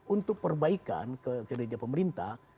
untuk perbaikan kinerja pemerintah